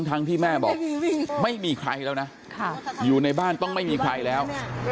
ทั้งที่แม่บอกไม่มีใครแล้วนะอยู่ในบ้านต้องไม่มีใครแล้ว